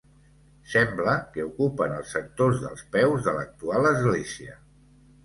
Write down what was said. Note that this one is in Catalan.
Sembla que ocupen els sectors dels peus de l'actual església.